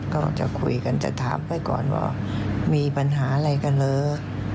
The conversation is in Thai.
ก็จะคุยกันจะถามไปก่อนว่ามีปัญหาอะไรกันเหรอ